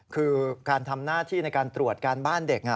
คือการทำหน้าที่ในการตรวจการบ้านเด็ก